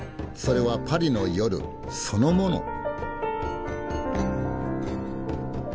それはパリの夜そのもの。